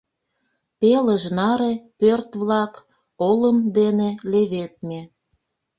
Пелыж наре пӧрт-влак олым дене леведме.